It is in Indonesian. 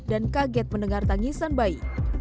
dan kaget mendengar tangisan bayi